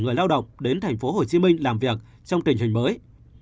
người lao động đến tp hcm làm việc trong tình hình mới